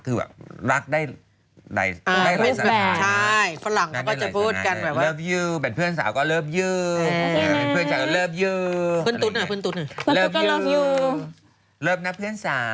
คือ